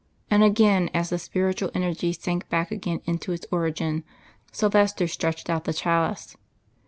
And again as the spiritual energy sank back again into its origin, Silvester stretched out the chalice.